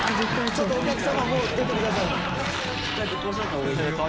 ちょっとお客様もう出てください。